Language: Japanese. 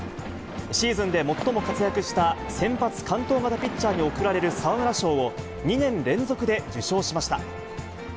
シーズンで最も活躍した先発完投型ピッチャーに贈られる沢村賞を、２年連続で受賞しました。